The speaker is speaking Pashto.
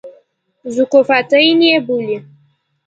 ذوقافیتین یې بولي.